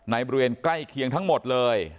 บริเวณใกล้เคียงทั้งหมดเลย